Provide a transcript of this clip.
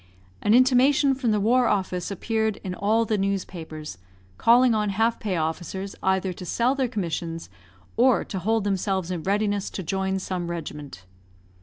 An intimation from the War office appeared in all the newspapers, calling on half pay officers either to sell their commissions or to hold themselves in readiness to join some regiment.